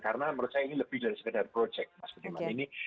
karena menurut saya ini lebih dari sekedar proyek mas budiman